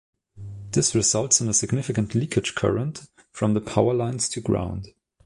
This results in a significant leakage current from the power lines to ground.